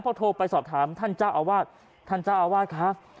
พอโทรไปสอบถามท่านเจ้าเอวัดท่านเจ้าเอวัดคะ